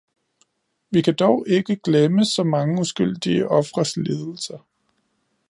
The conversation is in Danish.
Vi kan dog ikke glemme så mange uskyldige ofres lidelser.